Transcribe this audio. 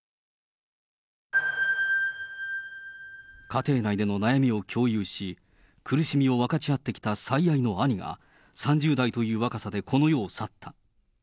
家庭内での悩みを共有し、苦しみを分かち合ってきた最愛の兄が、３０代という若さでこの世を去った。